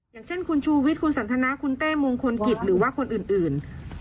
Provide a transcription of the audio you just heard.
อย่างเช่นคุณชูวิทย์คุณสันทนาคุณเต้มงคลกิจหรือว่าคนอื่น